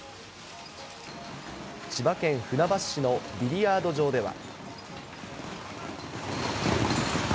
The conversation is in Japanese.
千葉県船橋市のビリヤード場では。